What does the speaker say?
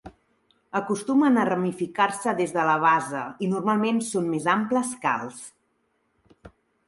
Acostumen a ramificar-se des de la base i normalment són més amples que alts.